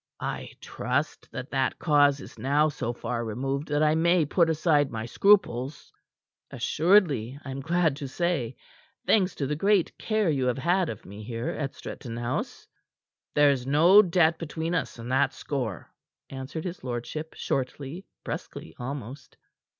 I trust that that cause is now so far removed that I may put aside my scruples." "Assuredly I am glad to say thanks to the great care you have had of me here at Stretton House." "There is no debt between us on that score," answered his lordship shortly, brusquely almost.